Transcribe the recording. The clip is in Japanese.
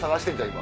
今。